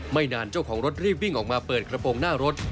นานเจ้าของรถรีบวิ่งออกมาเปิดกระโปรงหน้ารถ